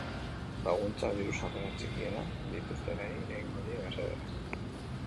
Laguntzak diru-sarrera txikienak dituztenei egingo die mesede.